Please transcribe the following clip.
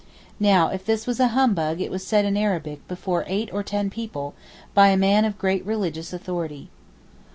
Now if this was humbug it was said in Arabic before eight or ten people, by a man of great religious authority.